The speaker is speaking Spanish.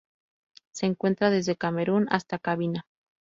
Se encuentra desde Camerún hasta Cabinda.